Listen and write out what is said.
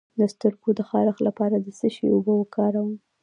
د سترګو د خارښ لپاره د څه شي اوبه وکاروم؟